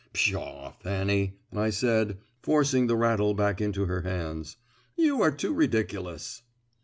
"Pshaw, Fanny!" I said, forcing the rattle back into her hands. "You are too ridiculous!"